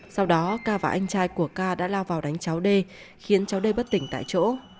sau đó k và anh trai của k đã lao vào đánh cháu d khiến cháu d bất tỉnh tại chỗ